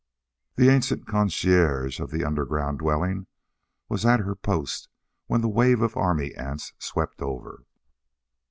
The ancient concierge of the underground dwelling was at her post when the wave of army ants swept over.